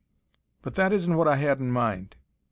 "But that isn't what I had in mind.